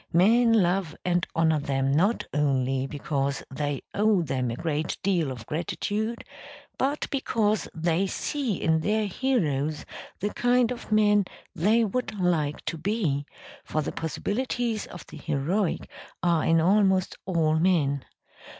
Men love and honour them not only because they owe them a great deal of gratitude, but because they see in their heroes the kind of men they would like to be; for the possibilities of the heroic are in almost all men.